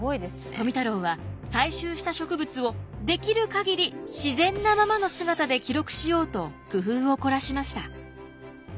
富太郎は採集した植物をできる限り自然なままの姿で記録しようと工夫を凝らしました。